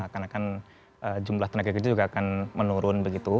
karena kan jumlah tenaga kerja juga akan menurun